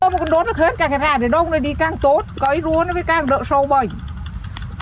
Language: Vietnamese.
một con đốt nó khuyến cả cái rạc này đông này đi càng tốt cấy rúa nó mới càng đỡ sâu bệnh